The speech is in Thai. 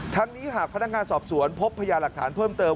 ทั้งนี้หากพนักงานสอบสวนพบพยาหลักฐานเพิ่มเติม